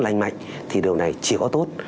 lạnh mạnh thì điều này chỉ có tốt